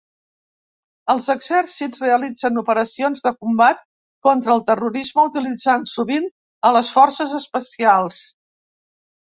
Els exèrcits realitzen operacions de combat contra el terrorisme, utilitzant sovint a les forces especials.